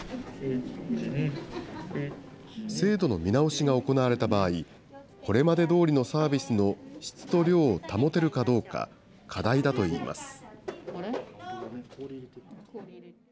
制度の見直しが行われた場合、これまでどおりのサービスの質と量を保てるかどうか、課題だといいます。